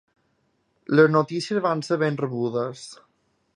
Les notícies van ser ben rebudes.